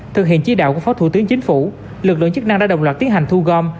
thực hiện chỉ đạo của phó thủ tướng chính phủ lực lượng chức năng đã đồng loạt tiến hành thu gom